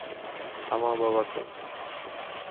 থামাও, বাবাকে।